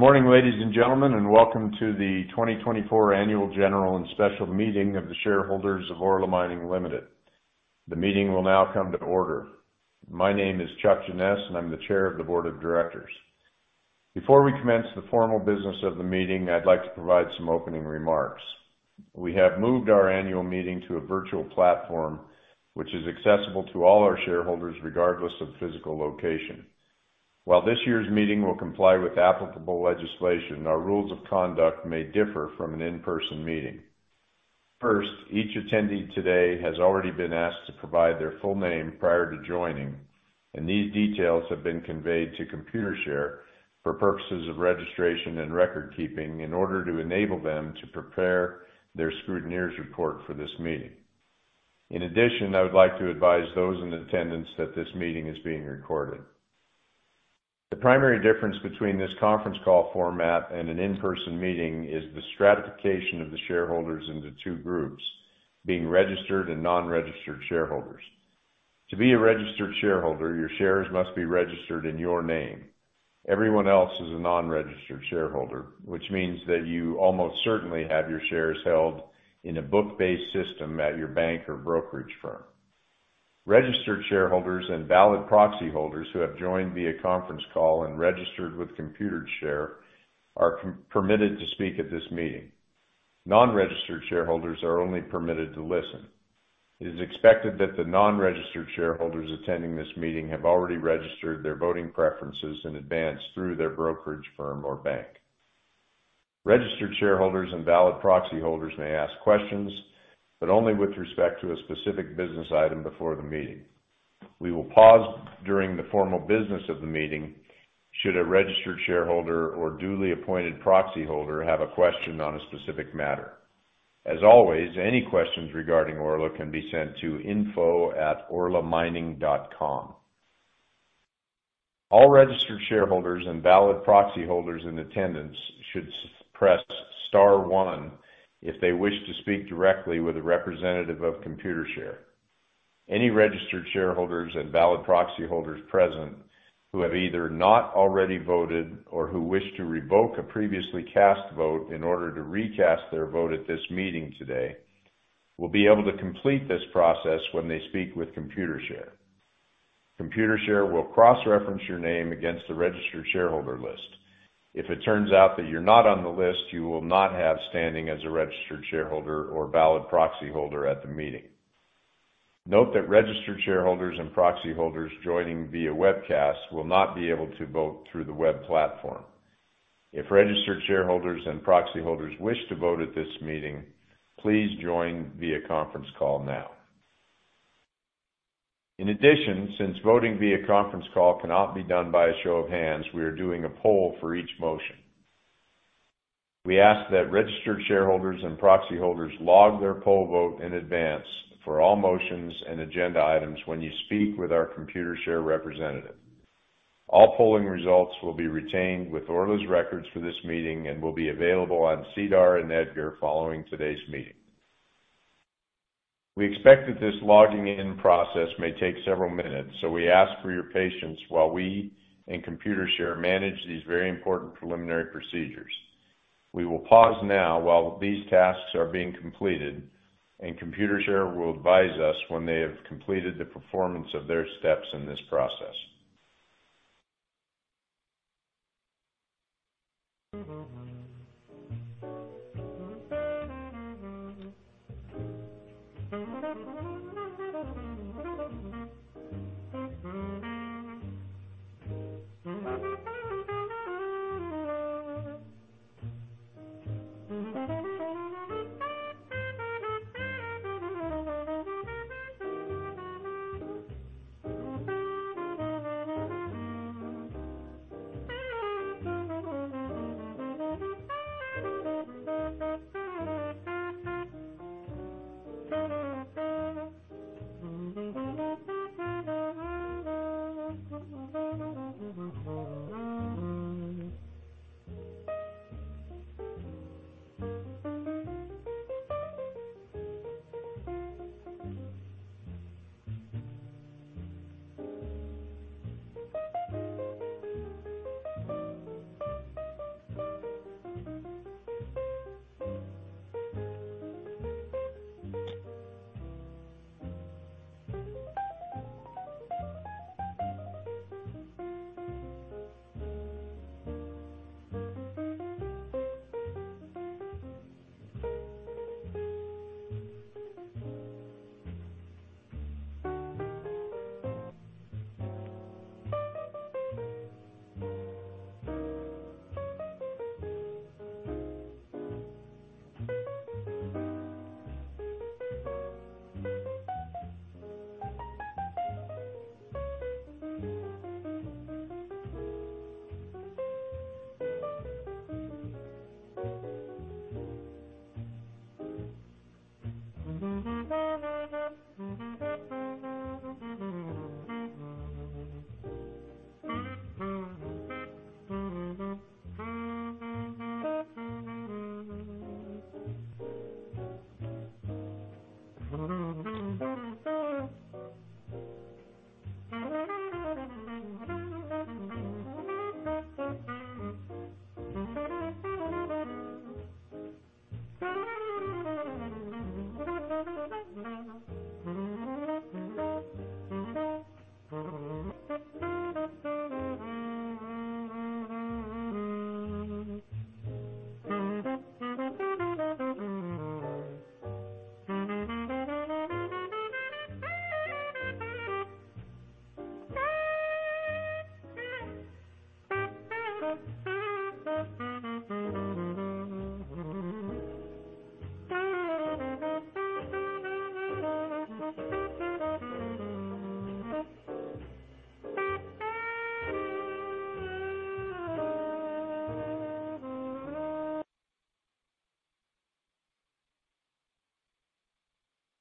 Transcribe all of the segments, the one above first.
Good morning, ladies and gentlemen, and welcome to the 2024 Annual General and Special Meeting of the shareholders of Orla Mining Ltd. The meeting will now come to order. My name is Chuck Jeannes, and I'm the chair of the Board of Directors. Before we commence the formal business of the meeting, I'd like to provide some opening remarks. We have moved our annual meeting to a virtual platform, which is accessible to all our shareholders, regardless of physical location. While this year's meeting will comply with applicable legislation, our rules of conduct may differ from an in-person meeting. First, each attendee today has already been asked to provide their full name prior to joining, and these details have been conveyed to Computershare for purposes of registration and record keeping in order to enable them to prepare their scrutineer's report for this meeting. In addition, I would like to advise those in attendance that this meeting is being recorded. The primary difference between this conference call format and an in-person meeting is the stratification of the shareholders into two groups: being registered and non-registered shareholders. To be a registered shareholder, your shares must be registered in your name. Everyone else is a non-registered shareholder, which means that you almost certainly have your shares held in a book-based system at your bank or brokerage firm. Registered shareholders and valid proxy holders who have joined via conference call and registered with Computershare are permitted to speak at this meeting. Non-registered shareholders are only permitted to listen. It is expected that the non-registered shareholders attending this meeting have already registered their voting preferences in advance through their brokerage firm or bank. Registered shareholders and valid proxy holders may ask questions, but only with respect to a specific business item before the meeting. We will pause during the formal business of the meeting should a registered shareholder or duly appointed proxy holder have a question on a specific matter. As always, any questions regarding Orla can be sent to info@orlamining.com. All registered shareholders and valid proxy holders in attendance should press star one if they wish to speak directly with a representative of Computershare. Any registered shareholders and valid proxy holders present, who have either not already voted or who wish to revoke a previously cast vote in order to recast their vote at this meeting today, will be able to complete this process when they speak with Computershare. Computershare will cross-reference your name against the registered shareholder list. If it turns out that you're not on the list, you will not have standing as a registered shareholder or valid proxy holder at the meeting. Note that registered shareholders and proxy holders joining via webcast will not be able to vote through the web platform. If registered shareholders and proxy holders wish to vote at this meeting, please join via conference call now. In addition, since voting via conference call cannot be done by a show of hands, we are doing a poll for each motion. We ask that registered shareholders and proxy holders log their poll vote in advance for all motions and agenda items when you speak with our Computershare representative. All polling results will be retained with Orla's records for this meeting and will be available on SEDAR and EDGAR following today's meeting. We expect that this logging in process may take several minutes, so we ask for your patience while we and Computershare manage these very important preliminary procedures. We will pause now while these tasks are being completed, and Computershare will advise us when they have completed the performance of their steps in this process.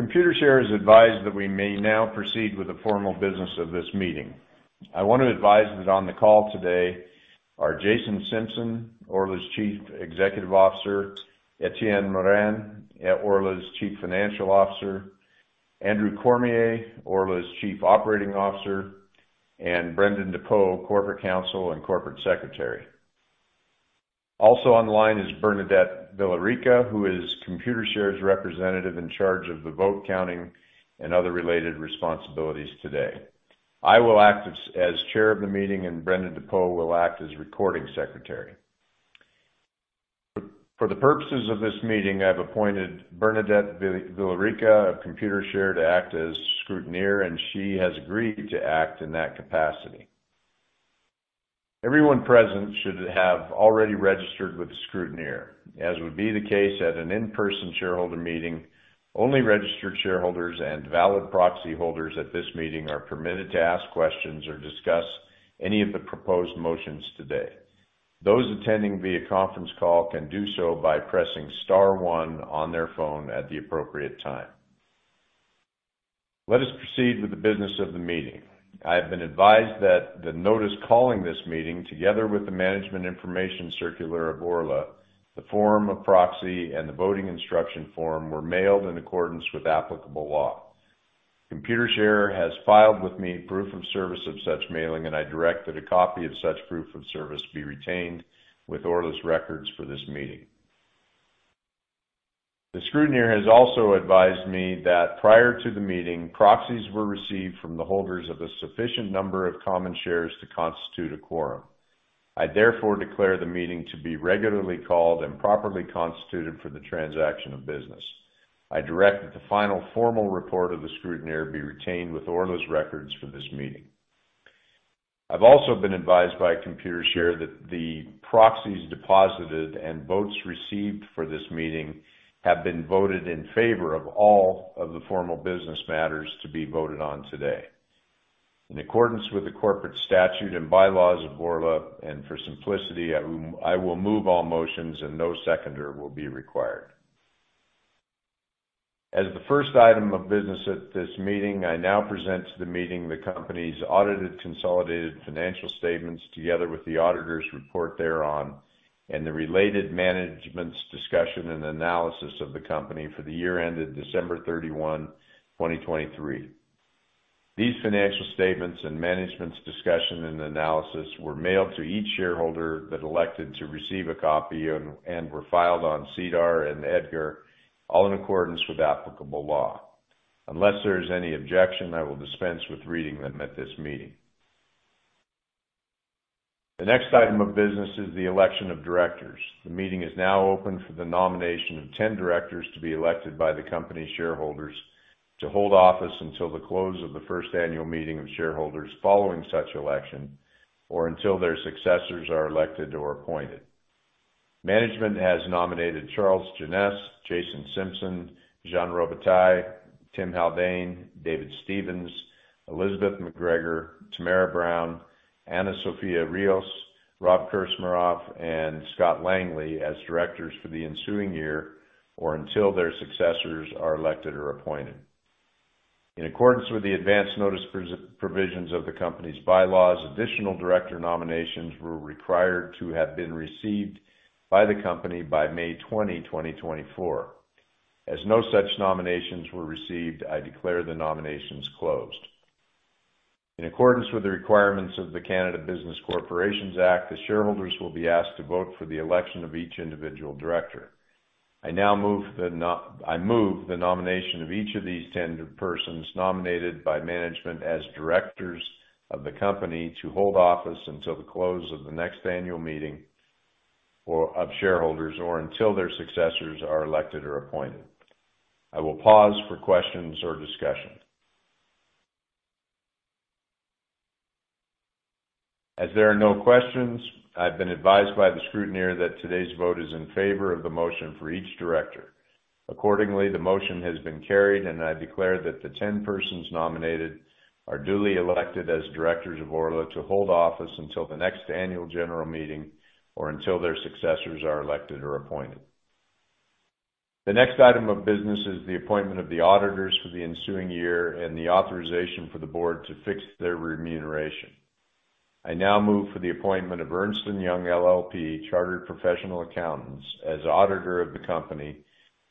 Computershare is advised that we may now proceed with the formal business of this meeting. I want to advise that on the call today are Jason Simpson, Orla's Chief Executive Officer, Etienne Morin, Orla's Chief Financial Officer, Andrew Cormier, Orla's Chief Operating Officer, and Brendan DePoe, Corporate Counsel and Corporate Secretary. Also on the line is Bernadette Villarica, who is Computershare's representative in charge of the vote counting and other related responsibilities today. I will act as chair of the meeting, and Brendan DePoe will act as recording secretary. For the purposes of this meeting, I've appointed Bernadette Villarica of Computershare to act as scrutineer, and she has agreed to act in that capacity. Everyone present should have already registered with the scrutineer. As would be the case at an in-person shareholder meeting, only registered shareholders and valid proxy holders at this meeting are permitted to ask questions or discuss any of the proposed motions today. Those attending via conference call can do so by pressing star one on their phone at the appropriate time. Let us proceed with the business of the meeting. I have been advised that the notice calling this meeting, together with the Management Information Circular of Orla, the form of proxy, and the voting instruction form, were mailed in accordance with applicable law. Computershare has filed with me proof of service of such mailing, and I direct that a copy of such proof of service be retained with Orla's records for this meeting. The scrutineer has also advised me that prior to the meeting, proxies were received from the holders of a sufficient number of common shares to constitute a quorum. I, therefore, declare the meeting to be regularly called and properly constituted for the transaction of business. I direct that the final formal report of the scrutineer be retained with Orla's records for this meeting. I've also been advised by Computershare that the proxies deposited and votes received for this meeting have been voted in favor of all of the formal business matters to be voted on today. In accordance with the corporate statute and bylaws of Orla, and for simplicity, I will move all motions and no seconder will be required. As the first item of business at this meeting, I now present to the meeting the company's audited consolidated financial statements, together with the auditor's report thereon, and the related Management's Discussion and Analysis of the company for the year ended December 31, 2023. These financial statements and Management's Discussion and Analysis were mailed to each shareholder that elected to receive a copy and were filed on SEDAR and EDGAR, all in accordance with applicable law. Unless there is any objection, I will dispense with reading them at this meeting. The next item of business is the election of directors. The meeting is now open for the nomination of ten directors to be elected by the company's shareholders to hold office until the close of the first annual meeting of shareholders following such election, or until their successors are elected or appointed. Management has nominated Charles Jeannes, Jason Simpson, Jean Robitaille, Tim Haldane, David Stephens, Elizabeth McGregor, Tamara Brown, Ana Sofía Ríos, Rob Krcmarov, and Scott Langley as directors for the ensuing year, or until their successors are elected or appointed. In accordance with the advance notice provisions of the company's bylaws, additional director nominations were required to have been received by the company by May 20, 2024. As no such nominations were received, I declare the nominations closed. In accordance with the requirements of the Canada Business Corporations Act, the shareholders will be asked to vote for the election of each individual director. I now move the nomination of each of these 10 persons, nominated by management as directors of the company, to hold office until the close of the next annual meeting of shareholders or until their successors are elected or appointed. I will pause for questions or discussion. As there are no questions, I've been advised by the scrutineer that today's vote is in favor of the motion for each director. Accordingly, the motion has been carried, and I declare that the 10 persons nominated are duly elected as directors of Orla to hold office until the next annual general meeting or until their successors are elected or appointed. The next item of business is the appointment of the auditors for the ensuing year and the authorization for the Board to fix their remuneration. I now move for the appointment of Ernst & Young LLP, Chartered Professional Accountants, as auditor of the company,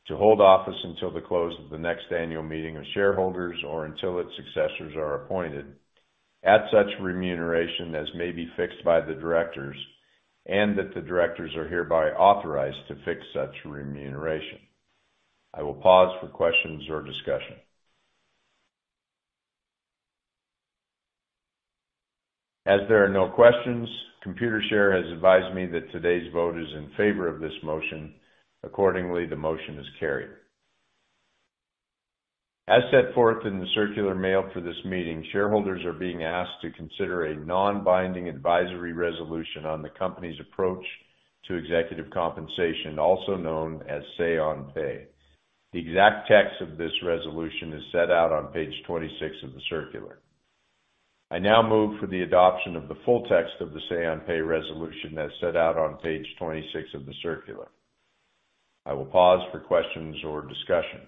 to hold office until the close of the next annual meeting of shareholders or until its successors are appointed, at such remuneration as may be fixed by the directors, and that the directors are hereby authorized to fix such remuneration. I will pause for questions or discussion. As there are no questions, Computershare has advised me that today's vote is in favor of this motion. Accordingly, the motion is carried. As set forth in the circular mail for this meeting, shareholders are being asked to consider a non-binding advisory resolution on the company's approach to executive compensation, also known as Say-on-Pay. The exact text of this resolution is set out on page 26 of the circular. I now move for the adoption of the full text of the Say-on-Pay resolution as set out on page 26 of the circular. I will pause for questions or discussion.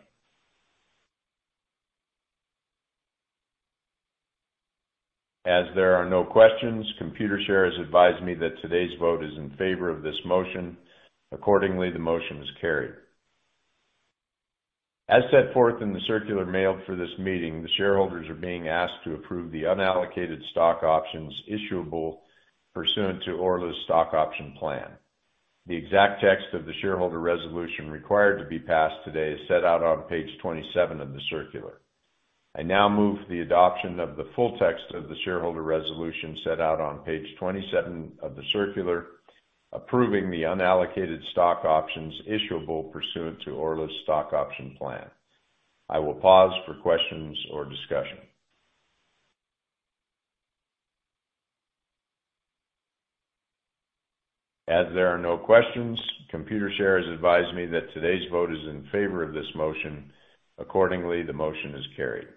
As there are no questions, Computershare has advised me that today's vote is in favor of this motion. Accordingly, the motion is carried. As set forth in the circular mailed for this meeting, the shareholders are being asked to approve the unallocated stock options issuable pursuant to Orla's stock option plan. The exact text of the shareholder resolution required to be passed today is set out on page 27 of the circular. I now move the adoption of the full text of the shareholder resolution set out on page 27 of the circular, approving the unallocated stock options issuable pursuant to Orla's stock option plan. I will pause for questions or discussion. As there are no questions, Computershare has advised me that today's vote is in favor of this motion. Accordingly, the motion is carried.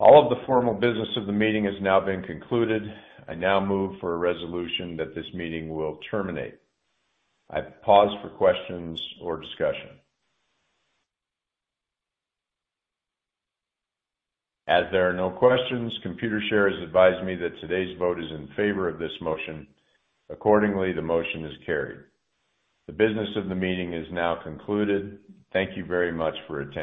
All of the formal business of the meeting has now been concluded. I now move for a resolution that this meeting will terminate. I pause for questions or discussion. As there are no questions, Computershare has advised me that today's vote is in favor of this motion. Accordingly, the motion is carried. The business of the meeting is now concluded. Thank you very much for attending.